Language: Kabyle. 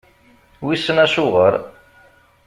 Wissen acuɣeṛ.